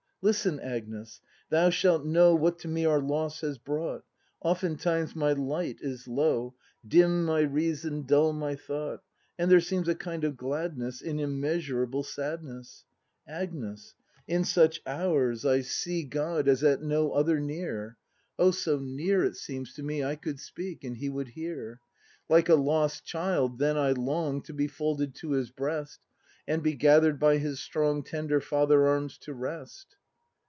Listen, Agnes; thou shalt know What to me our loss has brought. Oftentimes my light is low. Dim my reason, dull my thought. And there seems a kind of gladness In immeasurable sadness. Agnes — in such hours I see 158 BRAND [ACT IV God, as at no other, near; Oh, so near, it seems to me I could speak, and He would hear. Like a lost child then I long To be folded to his breast. And be gather'd by His strong Tender Father arms to rest!